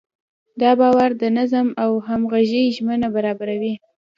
دا باور د نظم او همغږۍ زمینه برابروي.